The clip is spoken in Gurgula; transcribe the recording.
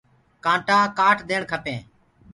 ڪآٽآ ڪآٽ ديڻ کپينٚ۔